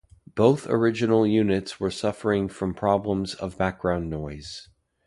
Both original units were suffering from problems of background noise.